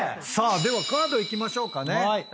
ではカードいきましょうかね。